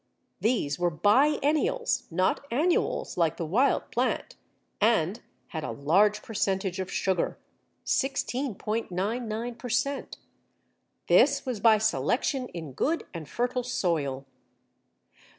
These were biennials (not annuals like the wild plant), and had a large percentage of sugar 16·99 per cent. This was by selection in good and fertile soil.